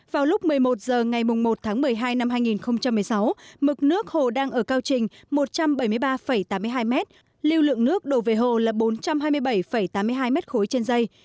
vào lúc một mươi một h ngày một tháng một mươi hai năm hai nghìn một mươi sáu mực nước hồ đang ở cao trình một trăm bảy mươi ba tám mươi hai m lưu lượng nước đổ về hồ là bốn trăm hai mươi bảy tám mươi hai m ba trên dây